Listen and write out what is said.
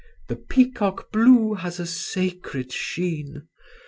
(_The Peacock blue has a sacred sheen!